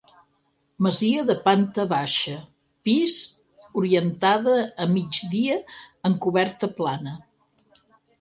Masia de planta baixa, pis orientada a migdia amb coberta plana.